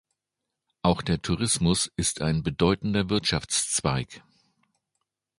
Auch der Tourismus ist ein bedeutender Wirtschaftszweig.